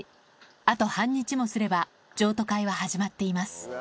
あと半日もすれば、譲渡会は始まっています。